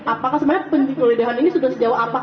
apakah sebenarnya pengelola pembedahan ini sudah sejauh apa